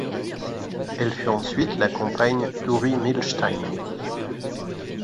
Elle fut ensuite la compagne d'Oury Milshtein.